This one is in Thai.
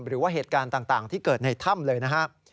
หรือว่าเหตุการณ์ต่างที่เกิดในถ้ำเลยนะครับ